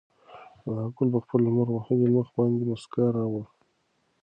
انارګل په خپل لمر وهلي مخ باندې موسکا راوړه.